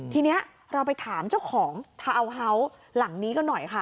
ทีนี้เราไปถามเจ้าของทาวน์เฮาส์หลังนี้ก็หน่อยค่ะ